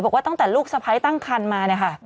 บอกว่าตั้งแต่ลูกสะพ้ายตั้งคันมา